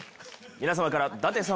皆様から。